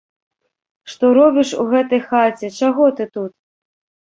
Што робіш у гэтай хаце, чаго ты тут?